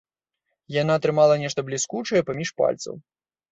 Яна трымала нешта бліскучае паміж пальцаў.